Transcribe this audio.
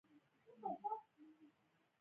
اصلاً علم او پوهه همداسې پایلې ته وايي.